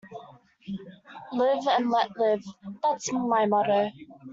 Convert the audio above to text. Live and let live, that's my motto.